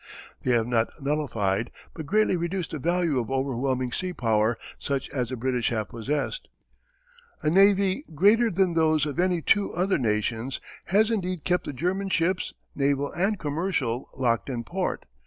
They have not nullified, but greatly reduced the value of overwhelming sea power such as the British have possessed. A navy greater than those of any two other nations has indeed kept the German ships, naval and commercial, locked in port.